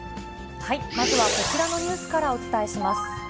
まずはこちらのニュースからお伝えします。